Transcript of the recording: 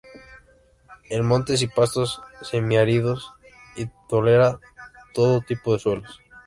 En montes y pastos semiáridos y tolera todo tipo de suelos.